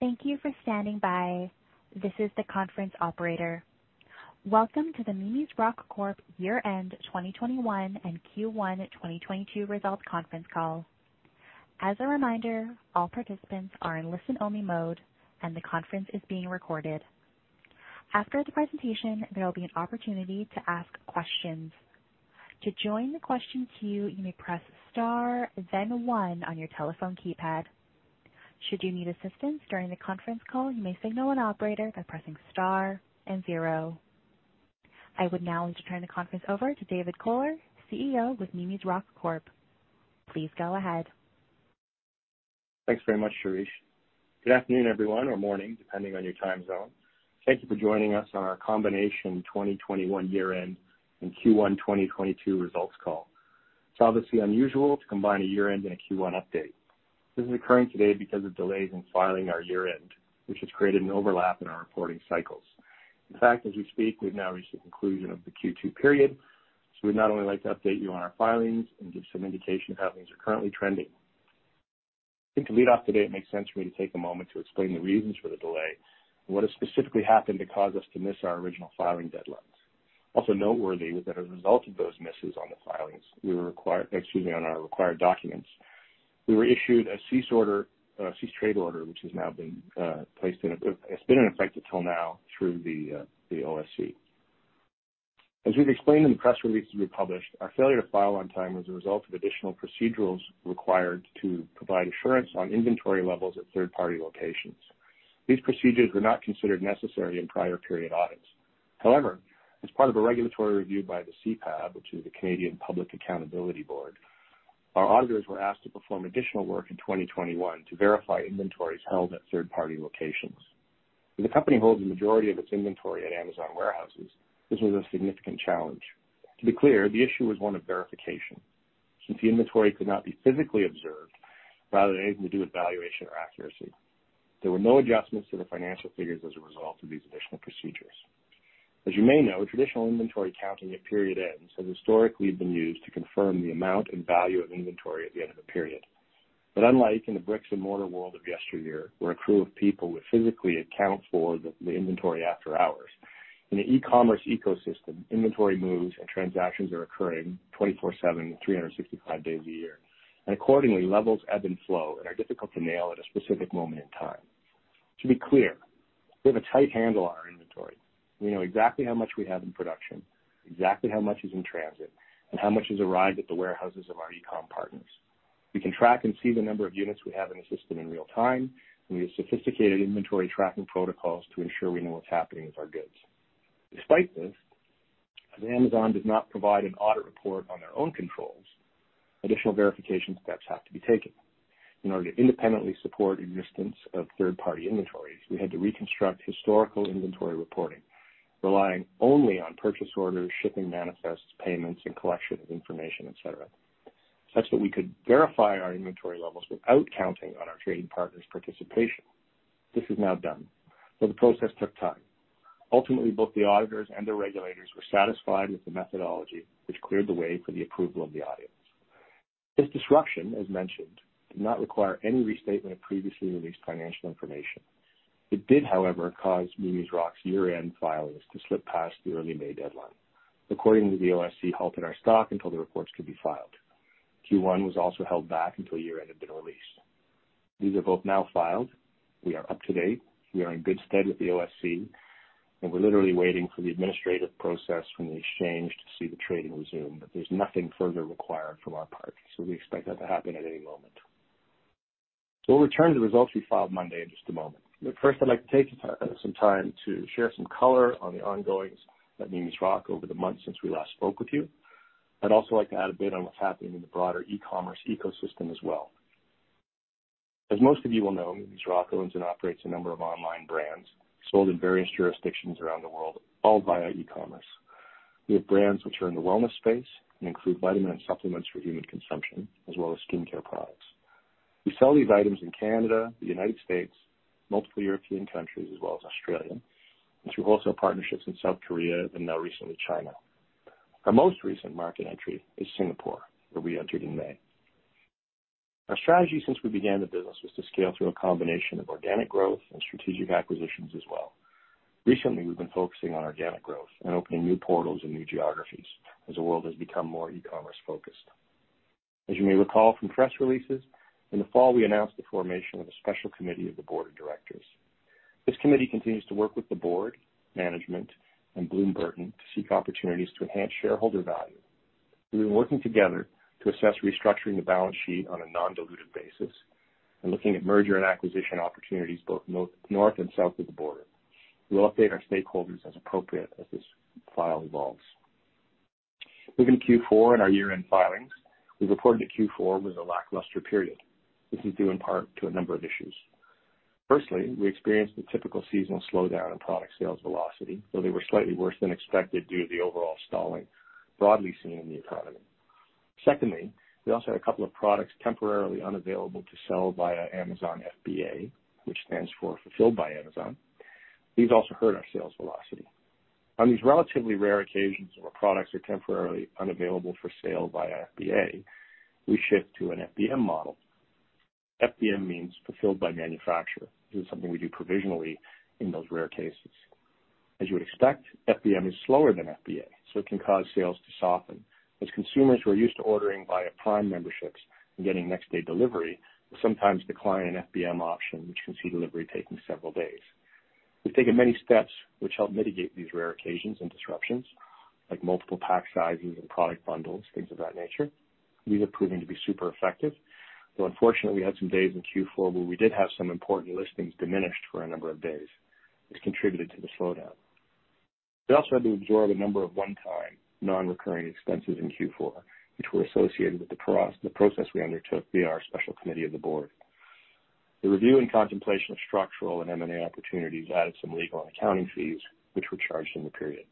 Thank you for standing by. This is the conference operator. Welcome to the Mimi's Rock Corp. Year-End 2021 and Q1 2022 Results Conference Call. As a reminder, all participants are in listen-only mode, and the conference is being recorded. After the presentation, there will be an opportunity to ask questions. To join the question queue, you may press star then one on your telephone keypad. Should you need assistance during the conference call, you may signal an operator by pressing star and zero. I would now like to turn the conference over to David Kohler, CEO with Mimi's Rock Corp. Please go ahead. Thanks very much, Cherish. Good afternoon, everyone, or morning, depending on your time zone. Thank you for joining us on our combination 2021 year-end and Q1 2022 results call. It's obviously unusual to combine a year-end and a Q1 update. This is occurring today because of delays in filing our year-end, which has created an overlap in our reporting cycles. In fact, as we speak, we've now reached the conclusion of the Q2 period. We'd not only like to update you on our filings and give some indication of how things are currently trending. I think to lead off today, it makes sense for me to take a moment to explain the reasons for the delay and what has specifically happened to cause us to miss our original filing deadlines. Also noteworthy was that as a result of those misses on the filings, we were issued a cease trade order on our required documents, which has been in effect until now through the OSC. As we've explained in the press releases we published, our failure to file on time was a result of additional procedures required to provide assurance on inventory levels at third-party locations. These procedures were not considered necessary in prior period audits. However, as part of a regulatory review by the CPAB, which is the Canadian Public Accountability Board, our auditors were asked to perform additional work in 2021 to verify inventories held at third-party locations. The company holds the majority of its inventory at Amazon warehouses. This was a significant challenge. To be clear, the issue was one of verification. Since the inventory could not be physically observed, rather than anything to do with valuation or accuracy, there were no adjustments to the financial figures as a result of these additional procedures. As you may know, traditional inventory counting at period end has historically been used to confirm the amount and value of inventory at the end of a period. Unlike in the bricks and mortar world of yesteryear, where a crew of people would physically account for the inventory after hours. In the e-commerce ecosystem, inventory moves and transactions are occurring 24/7, 365 days a year, and accordingly, levels ebb and flow and are difficult to nail at a specific moment in time. To be clear, we have a tight handle on our inventory. We know exactly how much we have in production, exactly how much is in transit, and how much has arrived at the warehouses of our e-com partners. We can track and see the number of units we have in the system in real time, and we have sophisticated inventory tracking protocols to ensure we know what's happening with our goods. Despite this, as Amazon does not provide an audit report on their own controls, additional verification steps have to be taken. In order to independently support existence of third-party inventories, we had to reconstruct historical inventory reporting, relying only on purchase orders, shipping manifests, payments, and collection of information, et cetera, such that we could verify our inventory levels without counting on our trading partners' participation. This is now done, but the process took time. Ultimately, both the auditors and the regulators were satisfied with the methodology, which cleared the way for the approval of the audits. This disruption, as mentioned, did not require any restatement of previously released financial information. It did, however, cause Mimi's Rock's year-end filings to slip past the early May deadline. According to the OSC, they halted our stock until the reports could be filed. Q1 was also held back until year-end had been released. These are both now filed. We are up to date. We are in good stead with the OSC, and we're literally waiting for the administrative process from the exchange to see the trading resume, but there's nothing further required from our part, so we expect that to happen at any moment. We'll return the results we filed Monday in just a moment, but first I'd like to take some time to share some color on the ongoings at Mimi's Rock over the months since we last spoke with you. I'd also like to add a bit on what's happening in the broader e-commerce ecosystem as well. As most of you will know, Mimi's Rock owns and operates a number of online brands sold in various jurisdictions around the world, all via e-commerce. We have brands which are in the wellness space and include vitamin and supplements for human consumption, as well as skincare products. We sell these items in Canada, the United States, multiple European countries, as well as Australia, and through also partnerships in South Korea and now recently China. Our most recent market entry is Singapore, where we entered in May. Our strategy since we began the business was to scale through a combination of organic growth and strategic acquisitions as well. Recently, we've been focusing on organic growth and opening new portals in new geographies as the world has become more e-commerce focused. As you may recall from press releases, in the fall we announced the formation of a special committee of the board of directors. This committee continues to work with the board, management, and Bloom Burton & Co. to seek opportunities to enhance shareholder value. We've been working together to assess restructuring the balance sheet on a non-dilutive basis and looking at merger and acquisition opportunities both north and south of the border. We will update our stakeholders as appropriate as this file evolves. Moving to Q4 and our year-end filings, we reported that Q4 was a lackluster period. This is due in part to a number of issues. Firstly, we experienced the typical seasonal slowdown in product sales velocity, though they were slightly worse than expected due to the overall stalling broadly seen in the economy. Secondly, we also had a couple of products temporarily unavailable to sell via Amazon FBA, which stands for Fulfilled by Amazon. These also hurt our sales velocity. On these relatively rare occasions where products are temporarily unavailable for sale by FBA, we shift to an FBM model. FBM means Fulfilled by Merchant. This is something we do provisionally in those rare cases. As you would expect, FBM is slower than FBA, so it can cause sales to soften. As consumers who are used to ordering via Prime memberships and getting next-day delivery will sometimes decline an FBM option, which can see delivery taking several days. We've taken many steps which help mitigate these rare occasions and disruptions, like multiple pack sizes and product bundles, things of that nature. These are proving to be super effective, though unfortunately, we had some days in Q4 where we did have some important listings diminished for a number of days, which contributed to the slowdown. We also had to absorb a number of one-time non-recurring expenses in Q4, which were associated with the process we undertook via our special committee of the board. The review and contemplation of structural and M&A opportunities added some legal and accounting fees which were charged in the period.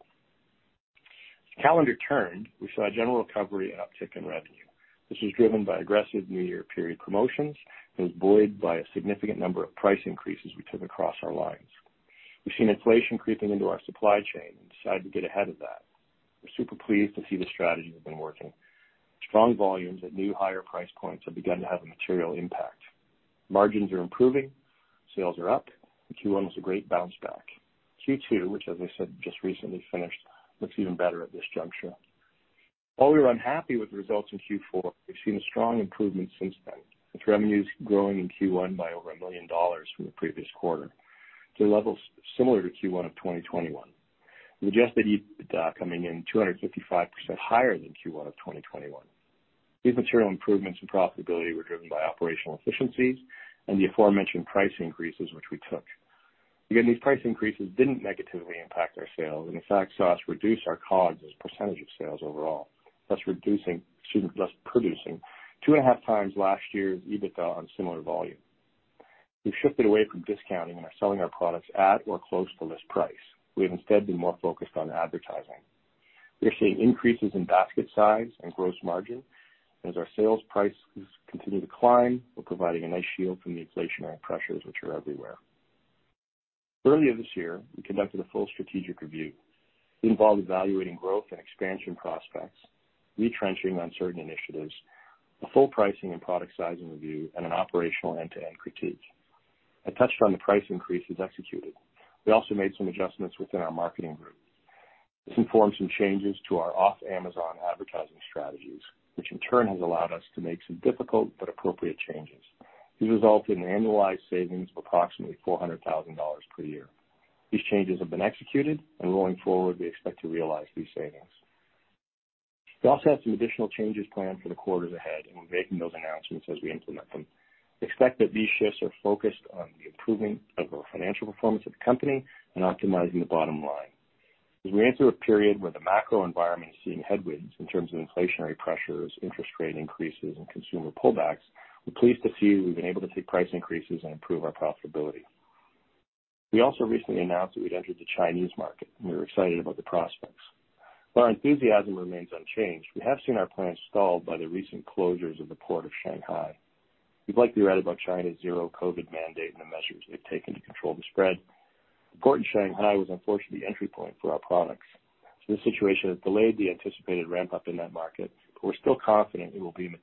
As calendar turned, we saw a general recovery and uptick in revenue. This was driven by aggressive new year period promotions and was buoyed by a significant number of price increases we took across our lines. We've seen inflation creeping into our supply chain and decided to get ahead of that. We're super pleased to see the strategy has been working. Strong volumes at new higher price points have begun to have a material impact. Margins are improving, sales are up, and Q1 was a great bounce back. Q2, which as I said, just recently finished, looks even better at this juncture. While we were unhappy with the results in Q4, we've seen a strong improvement since then, with revenues growing in Q1 by over 1 million dollars from the previous quarter to levels similar to Q1 of 2021. We suggest that EBITDA coming in 255% higher than Q1 of 2021. These material improvements in profitability were driven by operational efficiencies and the aforementioned price increases which we took. These price increases didn't negatively impact our sales and in fact, saw us reduce our COGS as a percentage of sales overall, thus producing 2.5x last year's EBITDA on similar volume. We've shifted away from discounting and are selling our products at or close to list price. We have instead been more focused on advertising. We are seeing increases in basket size and gross margin, and as our sales prices continue to climb, we're providing a nice shield from the inflationary pressures which are everywhere. Earlier this year, we conducted a full strategic review. It involved evaluating growth and expansion prospects, retrenching on certain initiatives, a full pricing and product sizing review, and an operational end-to-end critique. I touched on the price increases executed. We also made some adjustments within our marketing group. This informed some changes to our off-Amazon advertising strategies, which in turn has allowed us to make some difficult but appropriate changes. These result in annualized savings of approximately 400,000 dollars per year. These changes have been executed and going forward, we expect to realize these savings. We also have some additional changes planned for the quarters ahead, and we're making those announcements as we implement them. We expect that these shifts are focused on the improvement of the financial performance of the company and optimizing the bottom line. As we enter a period where the macro environment is seeing headwinds in terms of inflationary pressures, interest rate increases, and consumer pullbacks, we're pleased to see we've been able to take price increases and improve our profitability. We also recently announced that we'd entered the Chinese market, and we were excited about the prospects. While our enthusiasm remains unchanged, we have seen our plans stalled by the recent closures of the Port of Shanghai. You've likely read about China's zero-COVID mandate and the measures they've taken to control the spread. The port in Shanghai was unfortunately the entry point for our products, so this situation has delayed the anticipated ramp-up in that market, but we're still confident it will be a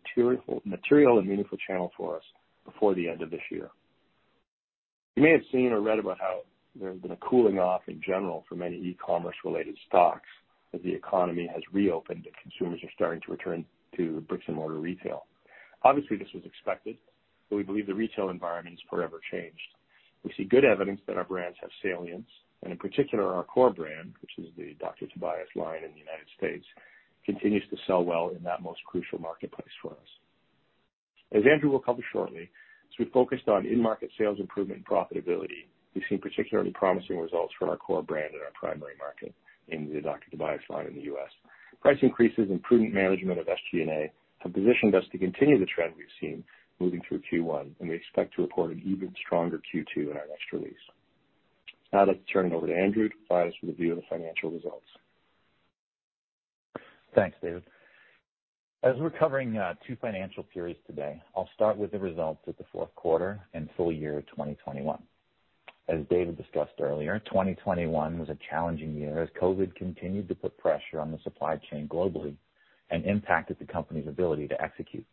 material and meaningful channel for us before the end of this year. You may have seen or read about how there's been a cooling off in general for many e-commerce related stocks as the economy has reopened and consumers are starting to return to bricks-and-mortar retail. Obviously, this was expected, but we believe the retail environment is forever changed. We see good evidence that our brands have salience, and in particular, our core brand, which is the Dr. Tobias. Tobias line in the United States continues to sell well in that most crucial marketplace for us. As Andrew will cover shortly, as we've focused on in-market sales improvement and profitability, we've seen particularly promising results from our core brand in our primary market in the Dr. Tobias line in the U.S. Price increases and prudent management of SG&A have positioned us to continue the trend we've seen moving through Q1, and we expect to report an even stronger Q2 in our next release. Now I'd like to turn it over to Andrew to provide us with a view of the financial results. Thanks, David. As we're covering two financial periods today, I'll start with the results of the fourth quarter and full year 2021. As David discussed earlier, 2021 was a challenging year as COVID continued to put pressure on the supply chain globally and impacted the company's ability to execute.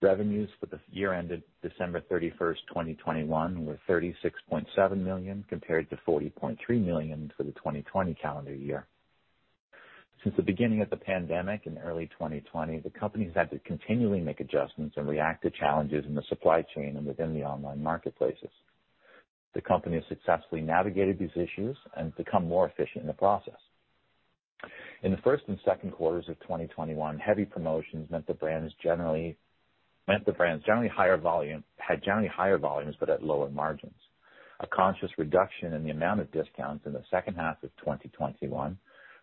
Revenues for the year ended December 31, 2021 were 36.7 million, compared to 40.3 million for the 2020 calendar year. Since the beginning of the pandemic in early 2020, the company's had to continually make adjustments and react to challenges in the supply chain and within the online marketplaces. The company has successfully navigated these issues and become more efficient in the process. In the first and second quarters of 2021, heavy promotions meant the brands generally had higher volumes but at lower margins. A conscious reduction in the amount of discounts in the second half of 2021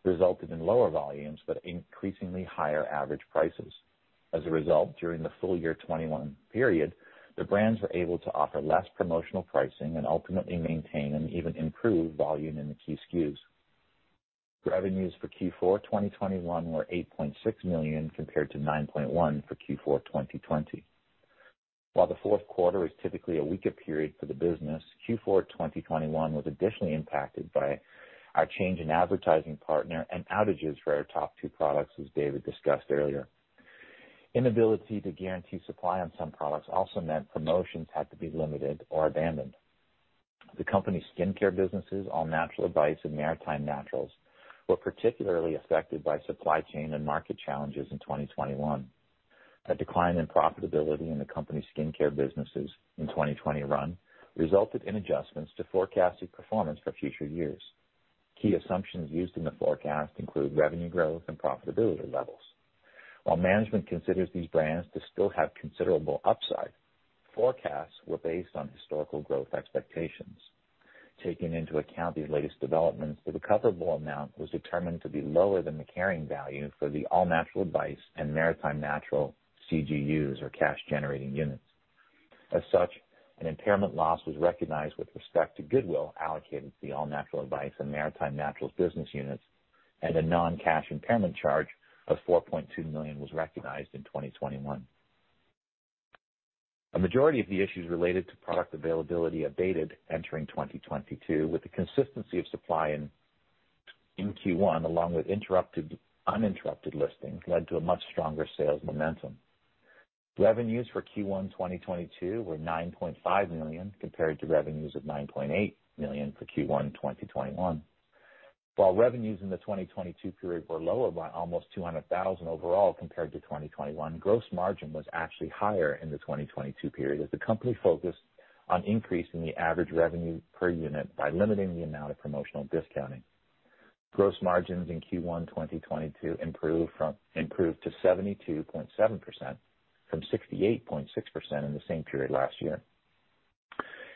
resulted in lower volumes but increasingly higher average prices. As a result, during the full year 2021 period, the brands were able to offer less promotional pricing and ultimately maintain and even improve volume in the key SKUs. Revenues for Q4 2021 were 8.6 million compared to 9.1 million for Q4 2020. While the fourth quarter is typically a weaker period for the business, Q4 2021 was additionally impacted by our change in advertising partner and outages for our top two products, as David discussed earlier. Inability to guarantee supply on some products also meant promotions had to be limited or abandoned. The company's skincare businesses, All Natural Advice and Maritime Naturals, were particularly affected by supply chain and market challenges in 2021. A decline in profitability in the company's skincare businesses in 2021 resulted in adjustments to forecasted performance for future years. Key assumptions used in the forecast include revenue growth and profitability levels. While management considers these brands to still have considerable upside, forecasts were based on historical growth expectations. Taking into account these latest developments, the recoverable amount was determined to be lower than the carrying value for the All Natural Advice and Maritime Naturals CGUs or cash generating units. As such, an impairment loss was recognized with respect to goodwill allocated to the All Natural Advice and Maritime Naturals business units, and a non-cash impairment charge of 4.2 million was recognized in 2021. A majority of the issues related to product availability abated entering 2022, with the consistency of supply in Q1, along with uninterrupted listings led to a much stronger sales momentum. Revenues for Q1 2022 were 9.5 million, compared to revenues of 9.8 million for Q1 2021. While revenues in the 2022 period were lower by almost 200,000 overall compared to 2021, gross margin was actually higher in the 2022 period as the company focused on increasing the average revenue per unit by limiting the amount of promotional discounting. Gross margins in Q1 2022 improved to 72.7% from 68.6% in the same period last year.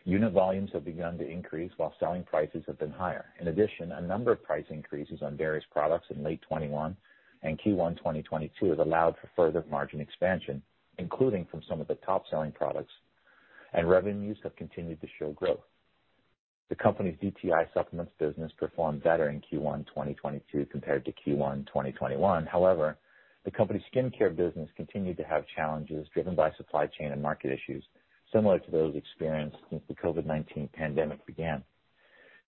Unit volumes have begun to increase while selling prices have been higher. In addition, a number of price increases on various products in late 2021 and Q1 2022 has allowed for further margin expansion, including from some of the top-selling products, and revenues have continued to show growth. The company's DTI Supplements business performed better in Q1 2022 compared to Q1 2021. However, the company's skincare business continued to have challenges driven by supply chain and market issues, similar to those experienced since the COVID-19 pandemic began.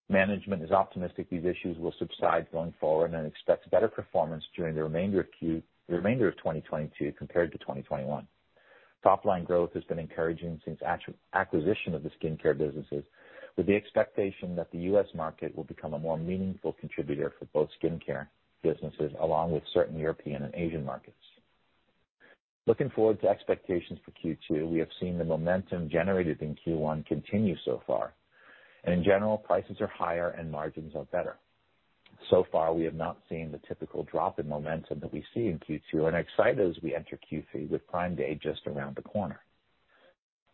Management is optimistic these issues will subside going forward and expects better performance during the remainder of 2022 compared to 2021. Top-line growth has been encouraging since acquisition of the skincare businesses, with the expectation that the U.S. market will become a more meaningful contributor for both skincare businesses, along with certain European and Asian markets. Looking forward to expectations for Q2, we have seen the momentum generated in Q1 continue so far. In general, prices are higher and margins are better. So far, we have not seen the typical drop in momentum that we see in Q2 and are excited as we enter Q3 with Prime Day just around the corner.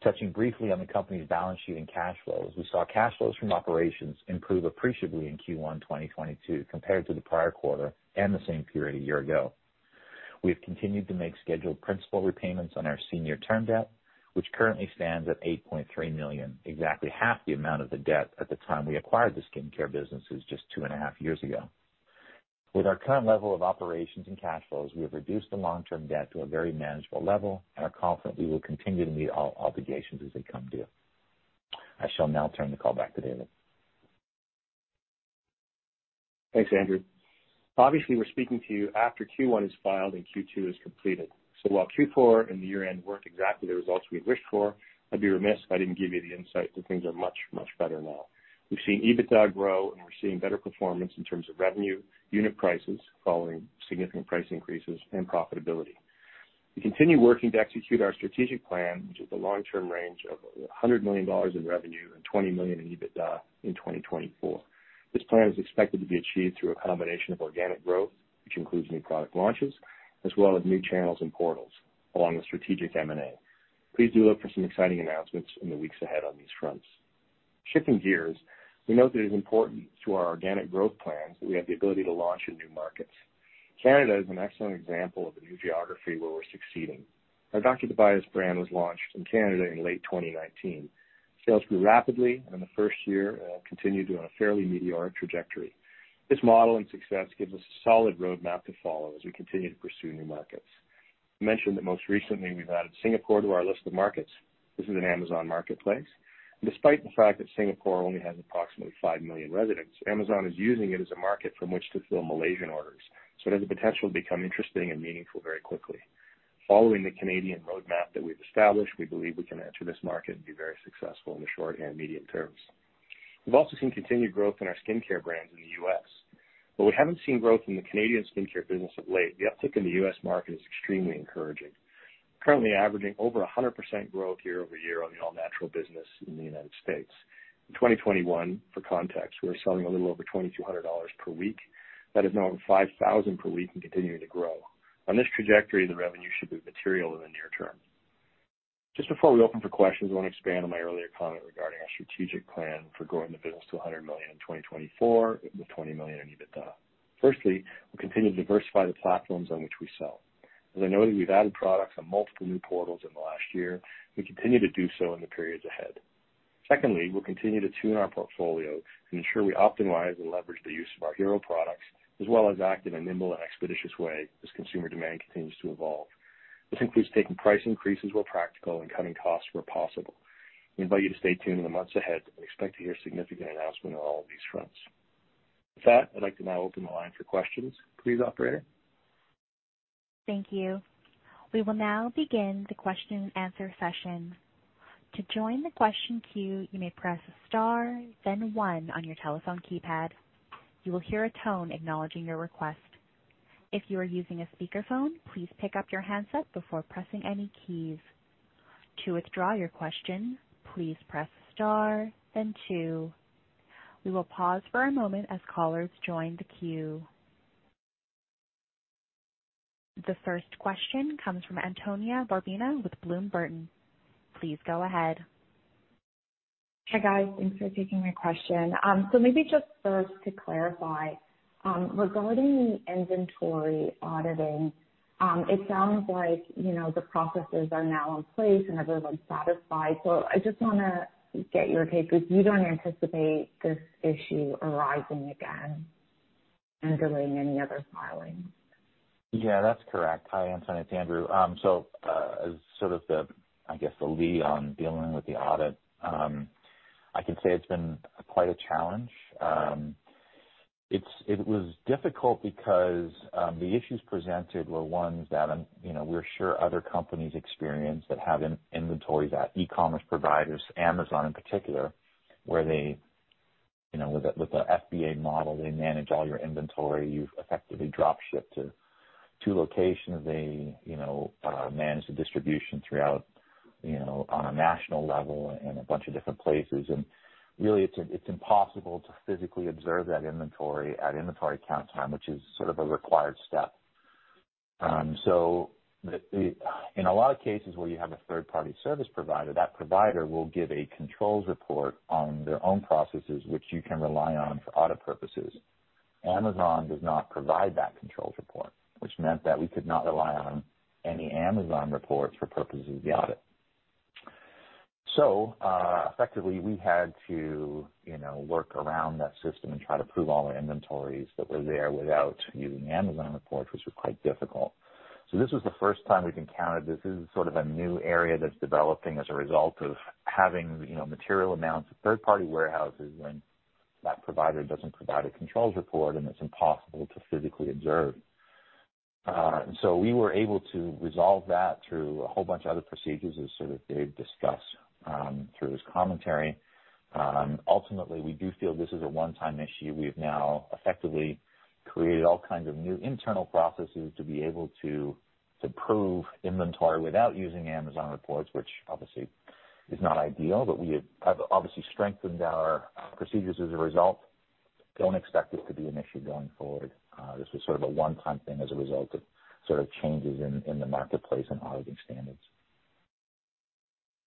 Touching briefly on the company's balance sheet and cash flows, we saw cash flows from operations improve appreciably in Q1 2022 compared to the prior quarter and the same period a year ago. We have continued to make scheduled principal repayments on our senior term debt, which currently stands at 8.3 million, exactly half the amount of the debt at the time we acquired the skincare businesses just two and a half years ago. With our current level of operations and cash flows, we have reduced the long-term debt to a very manageable level and are confident we will continue to meet all obligations as they come due. I shall now turn the call back to David. Thanks, Andrew. Obviously, we're speaking to you after Q1 is filed and Q2 is completed. While Q4 and the year-end weren't exactly the results we wished for, I'd be remiss if I didn't give you the insight that things are much, much better now. We've seen EBITDA grow, and we're seeing better performance in terms of revenue, unit prices, following significant price increases and profitability. We continue working to execute our strategic plan, which is the long-term range of 100 million dollars in revenue and 20 million in EBITDA in 2024. This plan is expected to be achieved through a combination of organic growth, which includes new product launches, as well as new channels and portals, along with strategic M&A. Please do look for some exciting announcements in the weeks ahead on these fronts. Shifting gears, we know that it is important to our organic growth plans that we have the ability to launch in new markets. Canada is an excellent example of a new geography where we're succeeding. Our Dr. Tobias brand was launched in Canada in late 2019. Sales grew rapidly in the first year and have continued to on a fairly meteoric trajectory. This model and success gives us a solid roadmap to follow as we continue to pursue new markets. I mentioned that most recently we've added Singapore to our list of markets. This is an Amazon Marketplace. Despite the fact that Singapore only has approximately 5 million residents, Amazon is using it as a market from which to fill Malaysian orders, so it has the potential to become interesting and meaningful very quickly. Following the Canadian roadmap that we've established, we believe we can enter this market and be very successful in the short and medium terms. We've also seen continued growth in our skincare brands in the U.S. While we haven't seen growth in the Canadian skincare business of late, the uptick in the U.S. market is extremely encouraging. Currently averaging over 100% growth year-over-year on the All Natural Advice business in the United States. In 2021, for context, we were selling a little over $2,200 per week. That is now over $5,000 per week and continuing to grow. On this trajectory, the revenue should be material in the near term. Just before we open for questions, I want to expand on my earlier comment regarding our strategic plan for growing the business to 100 million in 2024 with 20 million in EBITDA. Firstly, we continue to diversify the platforms on which we sell. As I noted, we've added products on multiple new portals in the last year. We continue to do so in the periods ahead. Secondly, we'll continue to tune our portfolio and ensure we optimize and leverage the use of our hero products, as well as act in a nimble and expeditious way as consumer demand continues to evolve. This includes taking price increases where practical and cutting costs where possible. We invite you to stay tuned in the months ahead and expect to hear significant announcement on all of these fronts. With that, I'd like to now open the line for questions. Please, operator. Thank you. We will now begin the question and answer session. To join the question queue, you may press star then one on your telephone keypad. You will hear a tone acknowledging your request. If you are using a speakerphone, please pick up your handset before pressing any keys. To withdraw your question, please press star then two. We will pause for a moment as callers join the queue. The first question comes from Antonia Borovina with Bloom Burton. Please go ahead. Hi, guys. Thanks for taking my question. Maybe just first to clarify, regarding the inventory auditing, it sounds like, you know, the processes are now in place and everyone's satisfied. I just wanna get your take if you don't anticipate this issue arising again and delaying any other filings? Yeah, that's correct. Hi, Antonia, it's Andrew. As sort of the, I guess, the lead on dealing with the audit, I can say it's been quite a challenge. It was difficult because the issues presented were ones that, you know, we're sure other companies experience that have inventories at e-commerce providers, Amazon in particular, where they, you know, with the FBA model, they manage all your inventory. You effectively drop ship to two locations. They, you know, manage the distribution throughout, you know, on a national level and a bunch of different places. Really, it's impossible to physically observe that inventory at inventory count time, which is sort of a required step. In a lot of cases where you have a third-party service provider, that provider will give a controls report on their own processes, which you can rely on for audit purposes. Amazon does not provide that controls report, which meant that we could not rely on any Amazon reports for purposes of the audit. Effectively, we had to, you know, work around that system and try to prove all our inventories that were there without using Amazon reports, which was quite difficult. This was the first time we've encountered this. This is sort of a new area that's developing as a result of having, you know, material amounts of third-party warehouses when that provider doesn't provide a controls report and it's impossible to physically observe. We were able to resolve that through a whole bunch of other procedures, as sort of Dave discussed, through his commentary. Ultimately, we do feel this is a one-time issue. We have now effectively created all kinds of new internal processes to be able to prove inventory without using Amazon reports, which obviously is not ideal, but we have obviously strengthened our procedures as a result. Don't expect this to be an issue going forward. This was sort of a one-time thing as a result of sort of changes in the marketplace and auditing standards.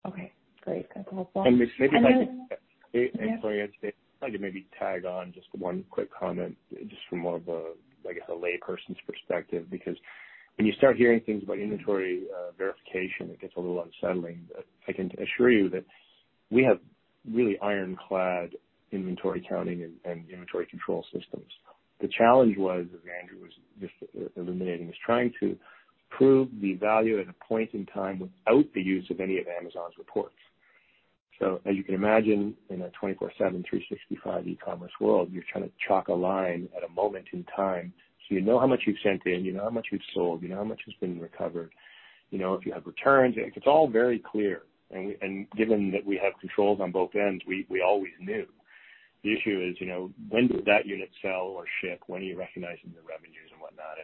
Okay, great. That's helpful. Maybe I can. Yeah. I'd like to maybe tag on just one quick comment, just from more of a, I guess, a layperson's perspective, because when you start hearing things about inventory verification, it gets a little unsettling. I can assure you that we have really ironclad inventory counting and inventory control systems. The challenge was, as Andrew was just illuminating, is trying to prove the value at a point in time without the use of any of Amazon's reports. As you can imagine, in a 24/7, 365 e-commerce world, you're trying to chalk a line at a moment in time so you know how much you've sent in, you know how much you've sold, you know how much has been recovered, you know if you have returns. It's all very clear. Given that we have controls on both ends, we always knew. The issue is, you know, when did that unit sell or ship? When are you recognizing the revenues and whatnot?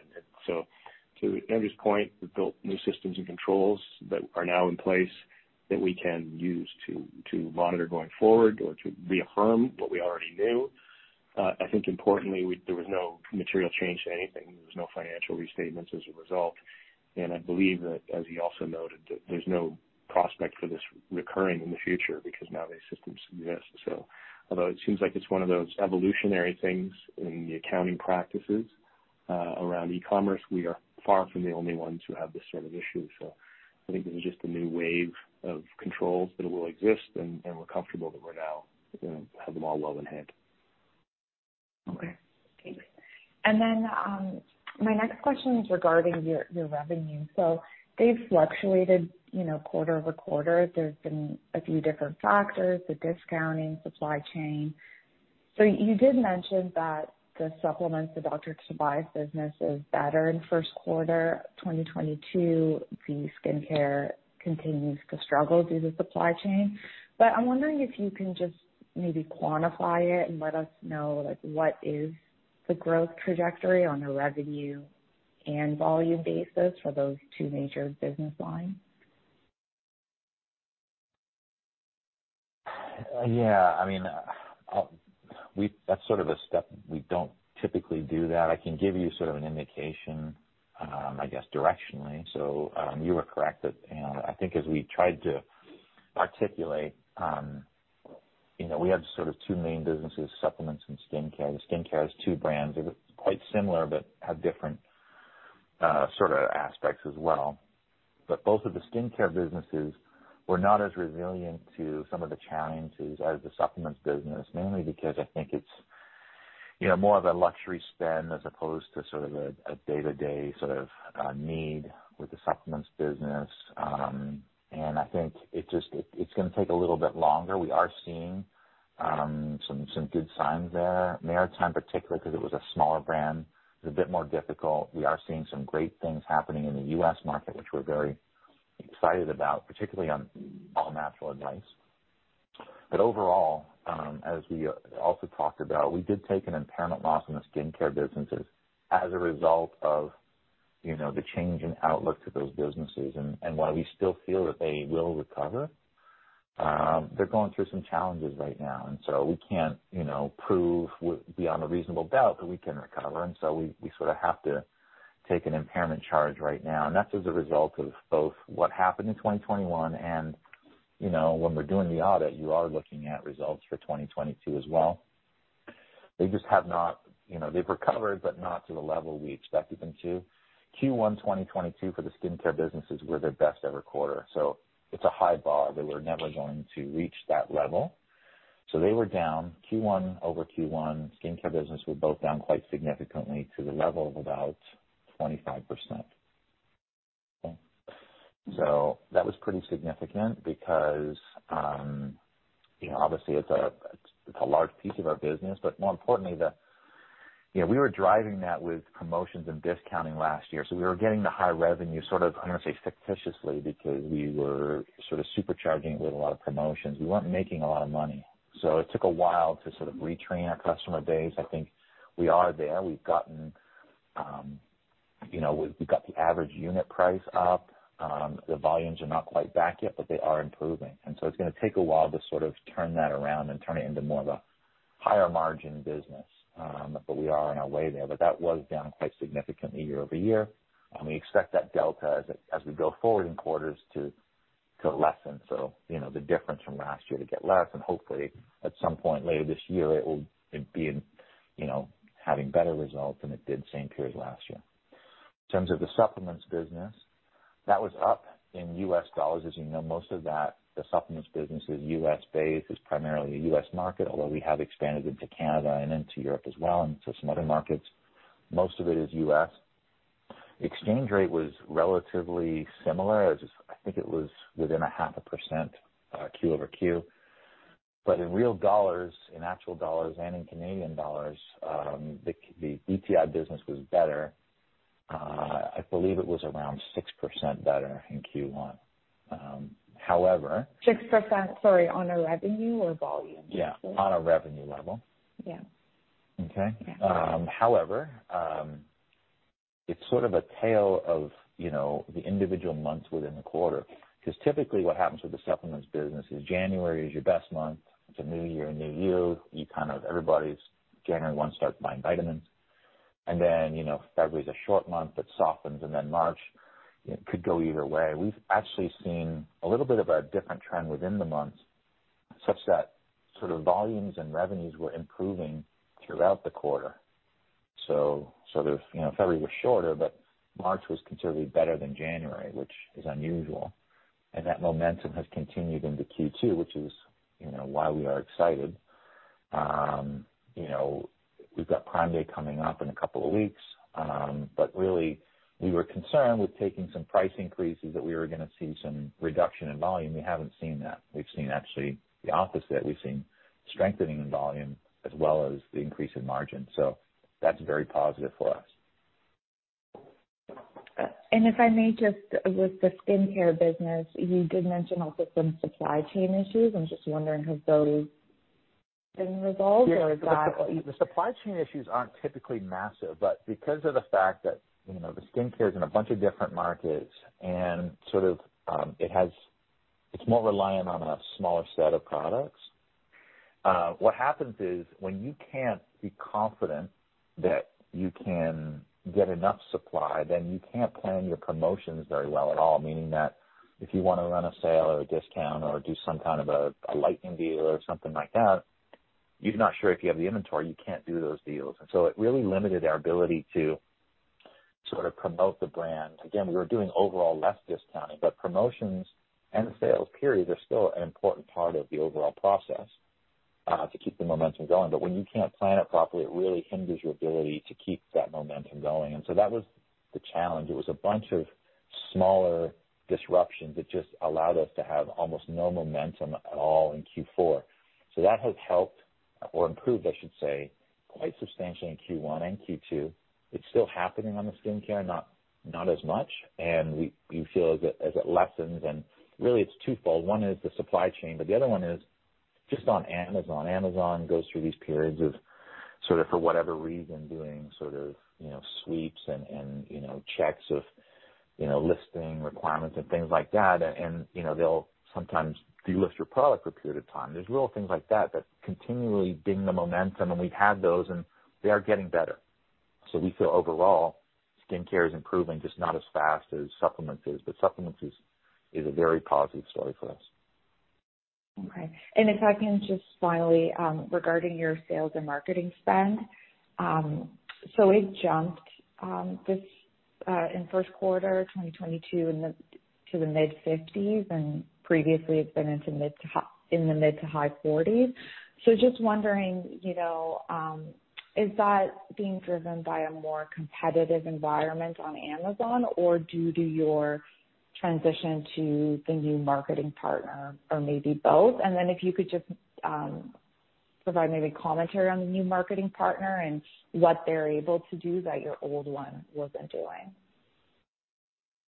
To Andrew's point, we've built new systems and controls that are now in place that we can use to monitor going forward or to reaffirm what we already knew. I think importantly, there was no material change to anything. There was no financial restatements as a result. I believe that, as he also noted, that there's no prospect for this recurring in the future because now these systems exist. Although it seems like it's one of those evolutionary things in the accounting practices around e-commerce, we are far from the only ones who have this sort of issue. I think this is just a new wave of controls that will exist and we're comfortable that we're now, you know, have them all well in hand. Okay, thanks. My next question is regarding your revenue. They've fluctuated, you know, quarter-over-quarter. There's been a few different factors, the discounting, supply chain. You did mention that the supplements, the Dr. Tobias business is better in first quarter 2022. The skincare continues to struggle due to supply chain. I'm wondering if you can just maybe quantify it and let us know, like what is the growth trajectory on a revenue and volume basis for those two major business lines? Yeah, I mean, that's sort of a step, we don't typically do that. I can give you sort of an indication, I guess directionally. You are correct that, and I think as we tried to articulate, you know, we have sort of two main businesses, supplements and skincare. The skincare has two brands. They're quite similar but have different sort of aspects as well. Both of the skincare businesses were not as resilient to some of the challenges as the supplements business, mainly because I think it's, you know, more of a luxury spend as opposed to sort of a day-to-day sort of need with the supplements business. I think it's gonna take a little bit longer. We are seeing some good signs there. Maritime particularly, 'cause it was a smaller brand, is a bit more difficult. We are seeing some great things happening in the U.S. market, which we're very excited about, particularly on All Natural Advice. Overall, as we also talked about, we did take an impairment loss in the skincare businesses as a result of, you know, the change in outlook to those businesses. While we still feel that they will recover, they're going through some challenges right now. We can't, you know, prove beyond a reasonable doubt that we can recover. We sort of have to take an impairment charge right now. That's as a result of both what happened in 2021. You know, when we're doing the audit, you are looking at results for 2022 as well. They just have not. You know, they've recovered, but not to the level we expected them to. Q1 2022 for the skincare businesses were their best ever quarter. It's a high bar that we're never going to reach that level. They were down Q1 over Q1, skincare business were both down quite significantly to the level of about 25%. That was pretty significant because, you know, obviously it's a large piece of our business, but more importantly, you know, we were driving that with promotions and discounting last year, so we were getting the high revenue sort of, I don't wanna say fictitiously, because we were sort of supercharging it with a lot of promotions. We weren't making a lot of money, so it took a while to sort of retrain our customer base. I think we are there. We've gotten, you know, we've got the average unit price up. The volumes are not quite back yet, but they are improving. It's gonna take a while to sort of turn that around and turn it into more of a higher margin business. We are on our way there. That was down quite significantly year-over-year. We expect that delta as we go forward in quarters to lessen. You know, the difference from last year to get less, and hopefully at some point later this year, it will be, you know, having better results than it did same period last year. In terms of the supplements business, that was up in U.S. dollars. As you know, most of that, the supplements business is U.S.-based. It's primarily a U.S. market, although we have expanded into Canada and into Europe as well, and to some other markets. Most of it is U.S. Exchange rate was relatively similar. I think it was within a half a percent Q-over-Q. In real dollars, in actual dollars and in Canadian dollars, the DTI business was better. I believe it was around 6% better in Q1. However. 6%, sorry, on a revenue or volume? Yeah, on a revenue level. Yeah. However, it's sort of a tale of, you know, the individual months within the quarter. 'Cause typically what happens with the supplements business is January is your best month. It's a new year, new you. January 1 starts buying vitamins. You know, February's a short month, it softens, and then March it could go either way. We've actually seen a little bit of a different trend within the months, such that sort of volumes and revenues were improving throughout the quarter. There's, you know, February was shorter, but March was considerably better than January, which is unusual. That momentum has continued into Q2, which is, you know, why we are excited. You know, we've got Prime Day coming up in a couple of weeks. Really we were concerned with taking some price increases, that we were gonna see some reduction in volume. We haven't seen that. We've seen actually the opposite. We've seen strengthening in volume as well as the increase in margin. That's very positive for us. If I may, just with the skincare business, you did mention also some supply chain issues. I'm just wondering, have those been resolved or is that? The supply chain issues aren't typically massive, but because of the fact that, you know, the skincare is in a bunch of different markets and sort of, it's more reliant on a smaller set of products. What happens is, when you can't be confident that you can get enough supply, then you can't plan your promotions very well at all. Meaning that if you wanna run a sale or a discount or do some kind of a lightning deal or something like that, you're not sure if you have the inventory, you can't do those deals. It really limited our ability to sort of promote the brand. Again, we were doing overall less discounting, but promotions and sales periods are still an important part of the overall process, to keep the momentum going. When you can't plan it properly, it really hinders your ability to keep that momentum going. That was the challenge. It was a bunch of smaller disruptions. It just allowed us to have almost no momentum at all in Q4. That has helped or improved, I should say, quite substantially in Q1 and Q2. It's still happening on the skincare, not as much. We feel it as it lessens. Really it's twofold. One is the supply chain, but the other one is just on Amazon. Amazon goes through these periods of sort of for whatever reason, doing sort of, you know, sweeps and, you know, checks of, you know, listing requirements and things like that. They'll sometimes delist your product for a period of time. There's little things like that that continually ding the momentum, and we've had those, and they are getting better. We feel overall skincare is improving just not as fast as supplements is. Supplements is a very positive story for us. Okay. If I can just finally, regarding your sales and marketing spend. It jumped in first quarter 2022 to the mid-50s% and previously it's been in the mid- to high 40s%. Just wondering, you know, is that being driven by a more competitive environment on Amazon or due to your transition to the new marketing partner, or maybe both? Then if you could just provide maybe commentary on the new marketing partner and what they're able to do that your old one wasn't doing.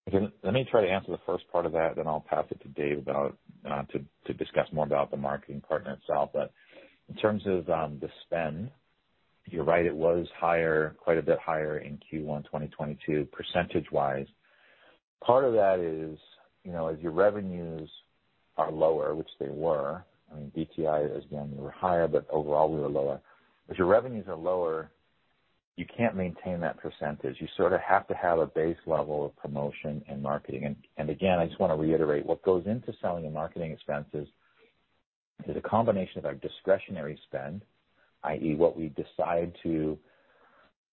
Again, let me try to answer the first part of that, then I'll pass it to Dave to discuss more about the marketing partner itself. In terms of the spend, you're right, it was higher, quite a bit higher in Q1 2022 percentage wise. Part of that is, you know, as your revenues are lower, which they were, I mean, DTI as again, we were higher, but overall we were lower. As your revenues are lower, you can't maintain that percentage. You sort of have to have a base level of promotion and marketing. Again, I just wanna reiterate what goes into selling and marketing expenses is a combination of our discretionary spend, i.e. What we decide to,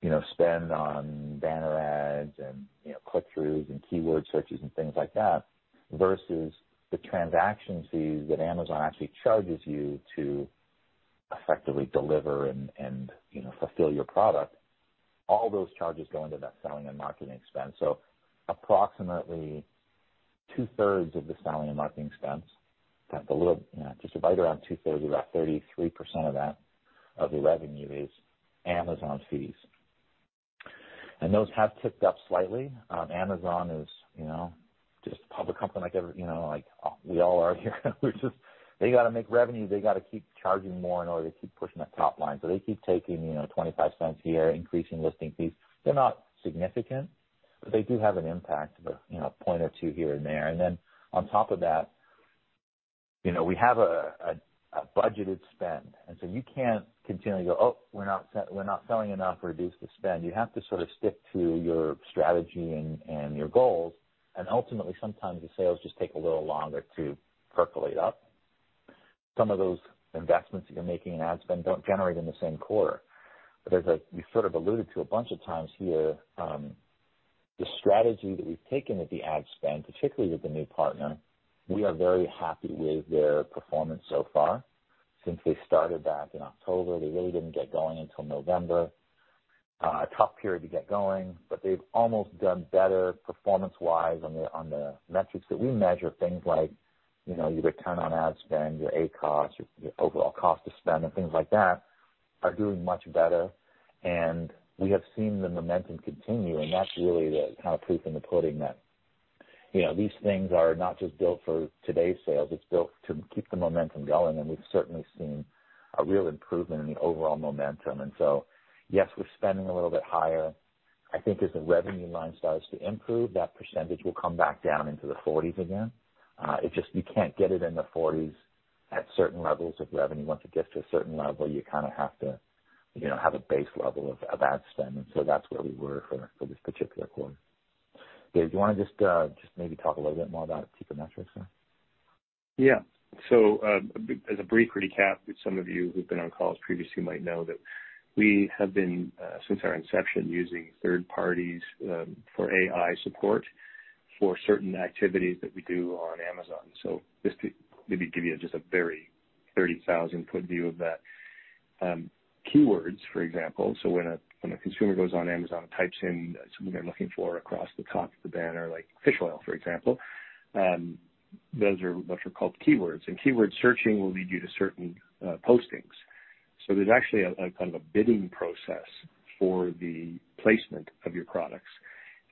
you know, spend on banner ads and, you know, click-throughs and keyword searches and things like that, versus the transaction fees that Amazon actually charges you to effectively deliver and, you know, fulfill your product. All those charges go into that selling and marketing expense. Approximately 2/3 of the selling and marketing expense, a little, just right around 2/3, about 33% of that of the revenue is Amazon's fees. Those have ticked up slightly. Amazon is, you know, just a public company like every, you know, like we all are here. We're just, they gotta make revenue, they gotta keep charging more in order to keep pushing the top line. They keep taking, you know, 0.25 here, increasing listing fees. They're not significant, but they do have an impact of a, you know, point or two here and there. On top of that, you know, we have a budgeted spend, so you can't continually go, "Oh, we're not selling enough. Reduce the spend." You have to sort of stick to your strategy and your goals. Ultimately, sometimes the sales just take a little longer to percolate up. Some of those investments that you're making in ad spend don't generate in the same quarter. We sort of alluded to a bunch of times here, the strategy that we've taken with the ad spend, particularly with the new partner. We are very happy with their performance so far since they started back in October. They really didn't get going until November. A tough period to get going, but they've almost done better performance-wise on the metrics that we measure. Things like, you know, your return on ad spend, your ACoS, your overall cost of spend and things like that are doing much better. We have seen the momentum continue, and that's really the kind of proof in the pudding that, you know, these things are not just built for today's sales, it's built to keep the momentum going. We've certainly seen a real improvement in the overall momentum. Yes, we're spending a little bit higher. I think as the revenue line starts to improve, that percentage will come back down into the forties again. It just, you can't get it in the forties at certain levels of revenue. Once it gets to a certain level, you kind of have to, you know, have a base level of ad spend. That's where we were for this particular quarter. Dave, do you wanna just maybe talk a little bit more about key performance metrics then? Yeah. As a brief recap that some of you who've been on calls previously might know that we have been, since our inception, using third parties, for AI support for certain activities that we do on Amazon. Just to maybe give you just a very 30,000-foot view of that. Keywords, for example. When a consumer goes on Amazon and types in something they're looking for across the top of the banner, like fish oil, for example, those are what are called keywords. Keyword searching will lead you to certain, postings. There's actually a kind of a bidding process for the placement of your products,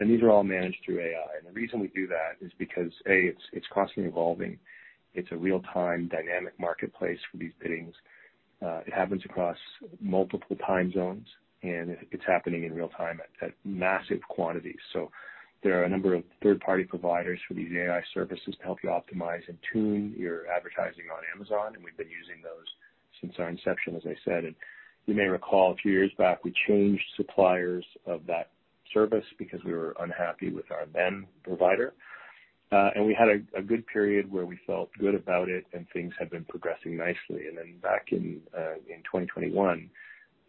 and these are all managed through AI. The reason we do that is because A, it's constantly evolving. It's a real-time dynamic marketplace for these biddings. It happens across multiple time zones, and it's happening in real time at massive quantities. There are a number of third-party providers for these AI services to help you optimize and tune your advertising on Amazon. We've been using those since our inception, as I said. You may recall a few years back, we changed suppliers of that service because we were unhappy with our then provider. We had a good period where we felt good about it and things had been progressing nicely. Then back in 2021,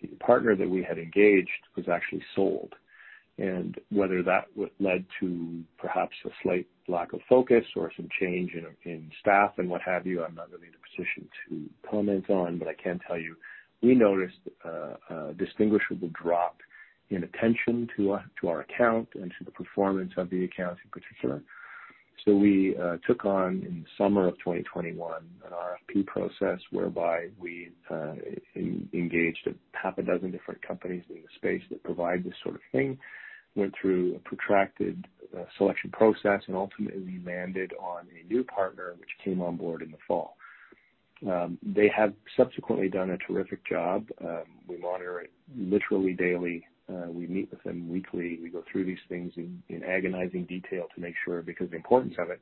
the partner that we had engaged was actually sold. Whether that led to perhaps a slight lack of focus or some change in staff and what have you, I'm not really in a position to comment on, but I can tell you we noticed a distinguishable drop in attention to our account and to the performance of the account in particular. We took on in the summer of 2021 an RFP process whereby we engaged six different companies in the space that provide this sort of thing. Went through a protracted selection process and ultimately landed on a new partner, which came on board in the fall. They have subsequently done a terrific job. We monitor it literally daily. We meet with them weekly. We go through these things in agonizing detail to make sure, because of the importance of it,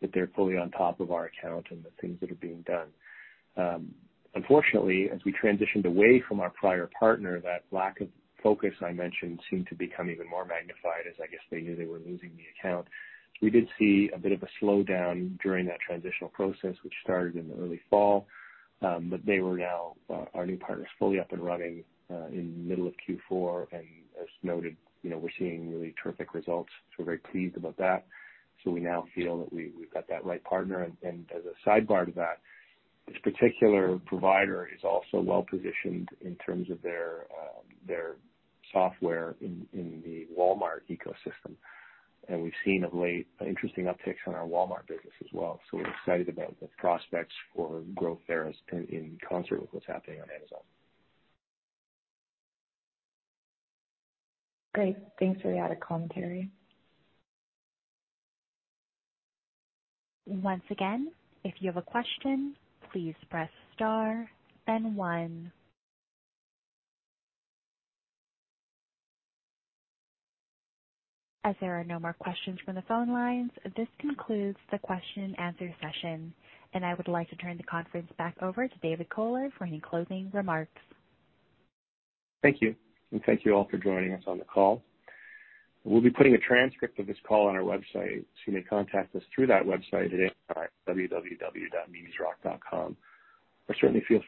that they're fully on top of our account and the things that are being done. Unfortunately, as we transitioned away from our prior partner, that lack of focus I mentioned seemed to become even more magnified, as I guess they knew they were losing the account. We did see a bit of a slowdown during that transitional process which started in the early fall. Our new partner is fully up and running in middle of Q4. As noted, you know, we're seeing really terrific results, so we're very pleased about that. We now feel that we've got that right partner. As a sidebar to that, this particular provider is also well-positioned in terms of their software in the Walmart ecosystem. We've seen of late an interesting uptick on our Walmart business as well. We're excited about the prospects for growth there as in concert with what's happening on Amazon. Great. Thanks for the added commentary. Once again, if you have a question, please press star then one. As there are no more questions from the phone lines, this concludes the question and answer session, and I would like to turn the conference back over to David Kohler for any closing remarks. Thank you, and thank you all for joining us on the call. We'll be putting a transcript of this call on our website, so you may contact us through that website today at www.mimisrock.com. Or certainly feel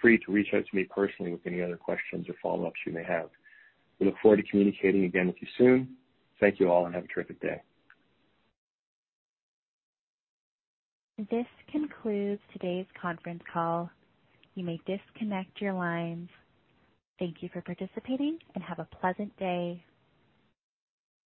free to reach out to me personally with any other questions or follow-ups you may have. We look forward to communicating again with you soon. Thank you all and have a terrific day. This concludes today's conference call. You may disconnect your lines. Thank you for participating and have a pleasant day.